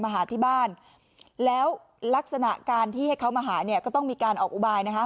หาที่บ้านแล้วลักษณะการที่ให้เขามาหาเนี่ยก็ต้องมีการออกอุบายนะคะ